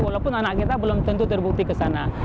walaupun anak kita belum tentu terbukti kesana